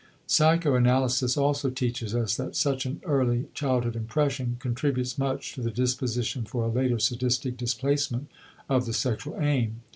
Psychoanalysis also teaches us that such an early childhood impression contributes much to the disposition for a later sadistic displacement of the sexual aim.